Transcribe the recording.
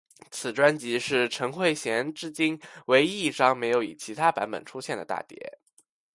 此专辑是陈慧娴至今唯一一张没有以其他版本出现的大碟。